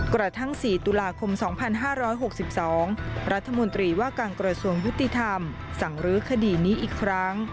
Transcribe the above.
กระทั่ง๔ตุลาคม๒๕๖๒รัฐมนตรีว่าการกระทรวงยุติธรรมสั่งรื้อคดีนี้อีกครั้ง